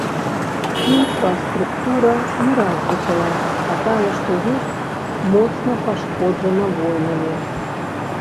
Інфраструктура неразвітая, а тая што ёсць, моцна пашкоджана войнамі.